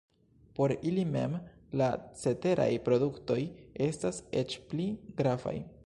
Por ili mem la ceteraj produktoj estas eĉ pli gravaj.